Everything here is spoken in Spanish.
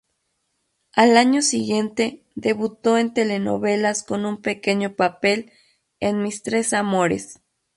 Al año siguiente debutó en telenovelas con un pequeño papel en Mis tres amores.